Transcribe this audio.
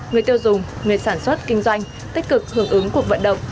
người tiêu dùng người sản xuất kinh doanh tích cực hưởng ứng cuộc vận động